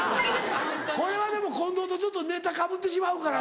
これはでも近藤とちょっとネタかぶってしまうからな。